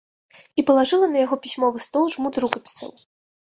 І палажыла на яго пісьмовы стол жмут рукапісаў.